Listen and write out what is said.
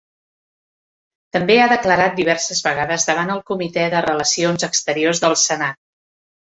També ha declarat diverses vegades davant el comitè de relacions exteriors del senat.